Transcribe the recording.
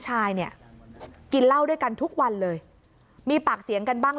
ชายเนี่ยกินเหล้าด้วยกันทุกวันเลยมีปากเสียงกันบ้าง